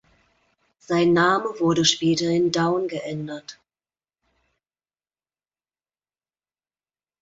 Sein Name wurde später in Downe geändert.